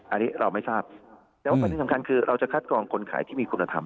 อันนี้เราไม่ทราบแต่ว่าประเด็นสำคัญคือเราจะคัดกรองคนขายที่มีคุณธรรม